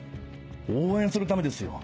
応援するためですよ。